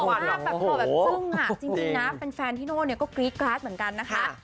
จริงนะเป็นแฟนที่โน้นก็กรี๊ดกราศเหมือนกันนะคะ